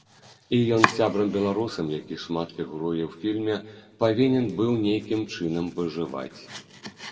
І ён з сябрам-беларусам, які шмат фігуруе ў фільме, павінен быў нейкім чынам выжываць.